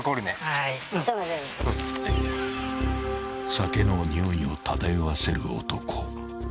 ［酒の臭いを漂わせる男］